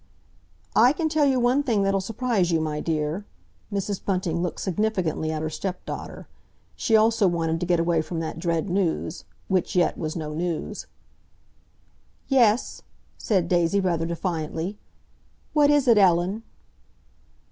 "I can tell you one thing that'll surprise you, my dear"—Mrs. Bunting looked significantly at her stepdaughter. She also wanted to get away from that dread news—which yet was no news. "Yes?" said Daisy, rather defiantly. "What is it, Ellen?"